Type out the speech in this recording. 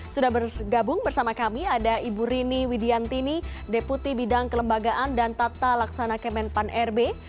sudah bergabung bersama kami ada ibu rini widiantini deputi bidang kelembagaan dan tata laksana kemenpan rb